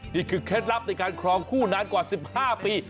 เคล็ดลับในการครองคู่นานกว่า๑๕ปี